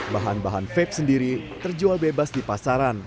bahan bahan vape sendiri terjual bebas di pasaran